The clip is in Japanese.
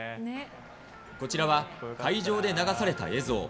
こちらは会場で流された映像。